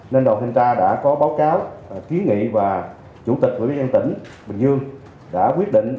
nên đoàn thanh tra đã có báo cáo ký nghị và chủ tịch của bình dương đã quyết định